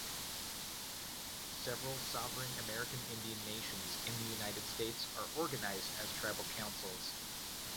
Several sovereign American Indian Nations in the United States are organized as Tribal Councils.